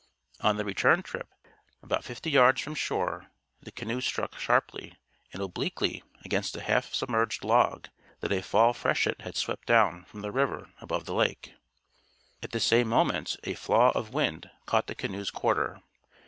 On the return trip, about fifty yards from shore, the canoe struck sharply and obliquely against a half submerged log that a Fall freshet had swept down from the river above the lake. At the same moment a flaw of wind caught the canoe's quarter.